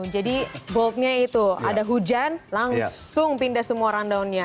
jadi voltnya itu ada hujan langsung pindah semua orang daunnya